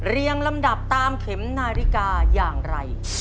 ลำดับตามเข็มนาฬิกาอย่างไร